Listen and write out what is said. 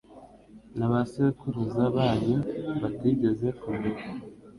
na ba sekuruza banyu batigeze kumenya,